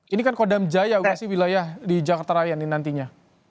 ini kan kodam jaya wilayah di jakarta raya nih nantinya